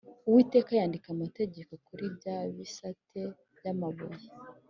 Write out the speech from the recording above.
Uwiteka yandika Amategeko kuri bya bisate by’amabuye